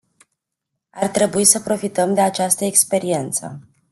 Ar trebui să profităm de această experiență.